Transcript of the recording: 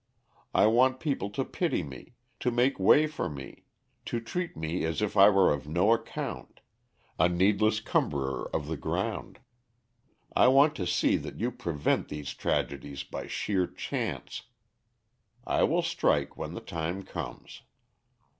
I want people to pity me, to make way for me, to treat me as if I were of no account, a needless cumberer of the ground. I want to see that you prevent these tragedies by sheer chance. I will strike when the time comes!"